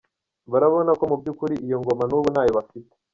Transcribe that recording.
Barabona ko mu by’ukuri, iyo ngoma n’ubu nta yo bafite!